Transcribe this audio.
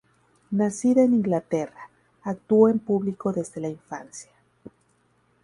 Nacida en Inglaterra, actuó en público desde la infancia.